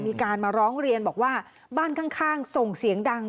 มีการมาร้องเรียนบอกว่าบ้านข้างส่งเสียงดัง